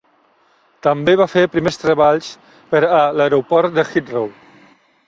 També va fer primers treballs per a l'aeroport de Heathrow.